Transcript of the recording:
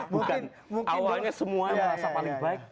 bukan awalnya semua yang merasa paling baik